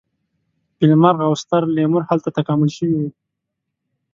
فیل مرغ او ستر لیمور هلته تکامل شوي وو.